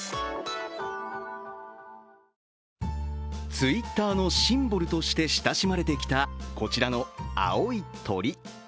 Ｔｗｉｔｔｅｒのシンボルとして親しまれてきた、こちらの青い鳥。